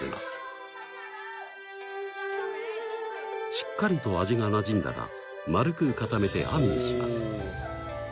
しっかりと味がなじんだら丸く固めてあんにします。